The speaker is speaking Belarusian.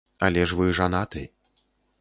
Але ж вы жанаты.